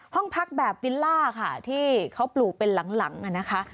ห้องพักแบบวิลล่าค่ะที่เขาปลูกเป็นหลังนะคะ